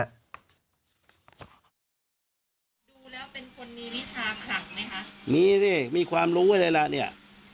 ดูแล้วเป็นคนมีวิชาคลังไหมคะมีสิมีความรู้อะไรล่ะเนี่ย